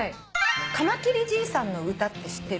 「かまきりじいさんの歌」って知ってる？